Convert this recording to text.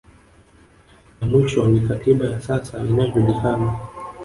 Na mwisho ni katiba ya sasa inayojulikana